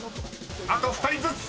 あと２人ずつ！］